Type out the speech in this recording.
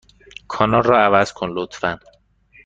کانال را عوض کن، لطفا.